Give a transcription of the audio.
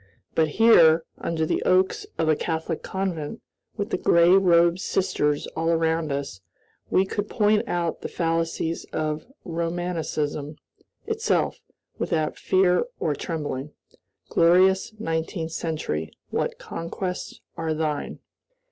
But here, under the oaks of a Catholic convent, with the gray robed sisters all around us, we could point out the fallacies of Romanism itself, without fear or trembling. Glorious Nineteenth Century, what conquests are thine!